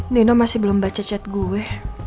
neno masih belum baca chat gue